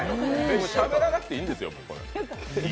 しゃべらなくていいんですよ。